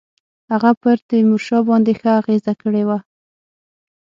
هغه پر تیمورشاه باندي ښه اغېزه کړې وه.